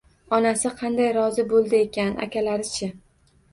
Onasi qanday rozi bo‘ldi ekan? Akalari-chi?